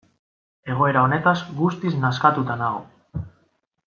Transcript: Egoera honetaz guztiz nazkatuta nago.